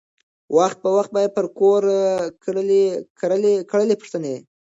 وخت په وخت به یې پر کور کړلی پوښتني